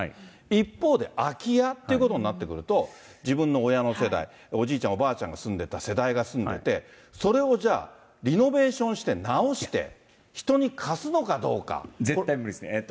一方で、空き家っていうことになってくると、自分の親の世代、おじいちゃん、おばあちゃんが住んでた世代が住んでて、それをじゃあ、リノベーションして直して、絶対無理ですね。